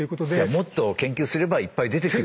もっと研究すればいっぱい出てくる。